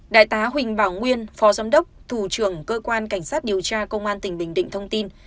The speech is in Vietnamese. đại tá huỳnh bảo nguyên phó giám đốc thủ trưởng cơ quan cảnh sát điều tra công an tỉnh bình định thông tin